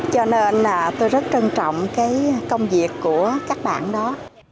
cho nên là tôi rất trân trọng cái công việc của các bạn đó